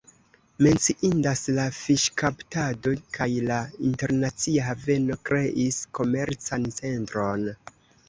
Menciindas la fiŝkaptado kaj la internacia haveno kreis komercan centron.